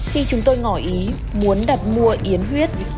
khi chúng tôi ngỏ ý muốn đặt mua yến huyết